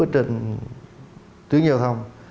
trên tuyến giao thông